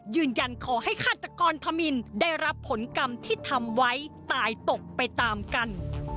ยืนยันขอให้ฆาตกรธมินได้รับผลกรรมที่ทำไว้ตายตกไปตามกัน